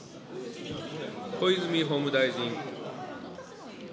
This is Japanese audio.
小泉法務大臣。